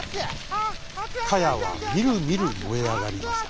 かやはみるみるもえあがりました。